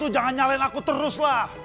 jangan nyalain aku terus lah